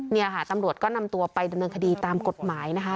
นี่นะคะตำรวจไปกำหนดหนังคดีตามกฎหมายนะคะ